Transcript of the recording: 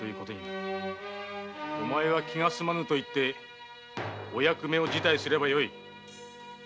お前は「気がすまぬ」とお役目を辞退すればよい。